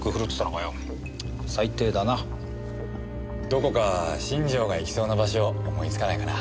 どこか新庄が行きそうな場所思いつかないかな？